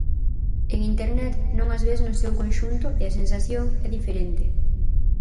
En Internet non as ves no seu conxunto e a sensación é diferente.